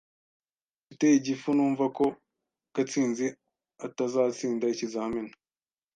Mfite igifu numva ko Gatsinzi atazatsinda ikizamini.